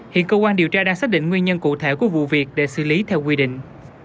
hiện cơ quan điều tra đang xác định nguyên nhân cụ thể của vụ việc để xử lý theo quy định